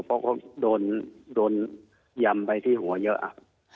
เพราะเขาโดนยำไปที่หัวเยอะ